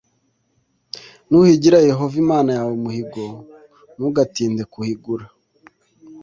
nuhigira yehova imana yawe umuhigo, ntugatinde kuwuhigura.